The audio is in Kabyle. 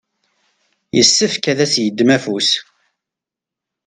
yessefk ad s-yeddem afus.